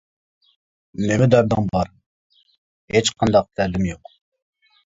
نېمە دەردىڭ بار؟ -ھېچقانداق دەردىم يوق.